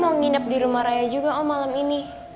dia mau nginep di rumah raya juga om malem ini